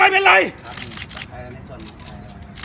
ไม่รักอายใจก็ไม่เป็นไร